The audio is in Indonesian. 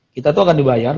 kita tuh akan dibayar